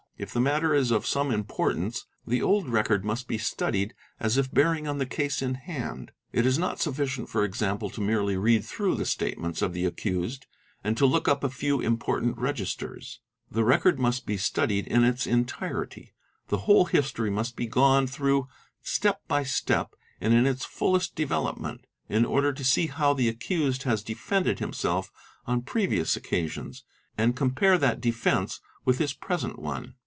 If the matter is of some — importance, the old record must be studied as if bearing on the case in — hand. It is not sufficient for example to merely read through the state — ments of the accused and to look up a few important registers,—the — record must be studied in its entirety, the whole history must be gone i through step by step and in its fullest development, in order to see how | the accused has defended himself on previous occasions and compare that defence with his present one.